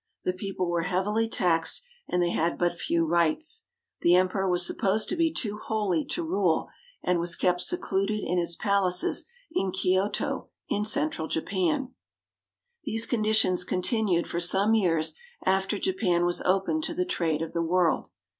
The people were heavily taxed and they had but few rights. The Emperor was supposed to be too holy to rule, and was kept secluded in his palaces in Kioto, in central Japan. CARP. ASIA — 4 58 JAPAN These conditions continued for some years after Japan was opened to the trade of the world.